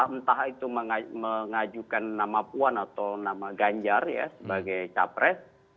entah itu mengajukan nama puan atau nama ganjar ya sebagai capres